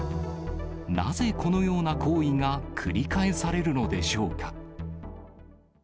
なぜこのような行為が繰り返されるのでしょうか。